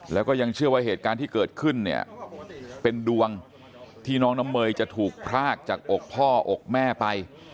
แล้วก็ยังเชื่อว่าเหตุการณ์ที่เกิดขึ้นเนี่ยเป็นดวงที่น้องน้ำเมยจะถูกพรากจากอกพ่ออกแม่ไป